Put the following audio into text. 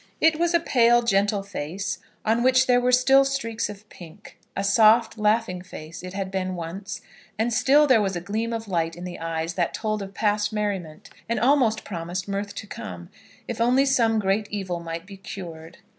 It was a pale, gentle face, on which there were still streaks of pink, a soft, laughing face it had been once, and still there was a gleam of light in the eyes that told of past merriment, and almost promised mirth to come, if only some great evil might be cured.